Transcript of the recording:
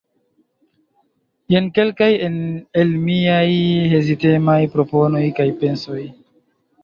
Jen kelkaj el miaj hezitemaj proponoj kaj pensoj.